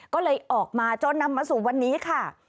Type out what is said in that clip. ก็เลยออกมาจนนำมาสู่วันนี้ค่ะ